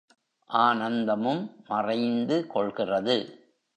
ஆனந்தமும் மறைந்து கொள்கிறது.